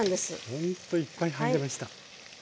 ほんといっぱい入りました。